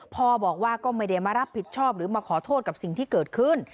พ่อบอกว่าก็ไม่ได้มารับผิดชอบหรือมาขอโทษกับสิ่งที่เกิดขึ้น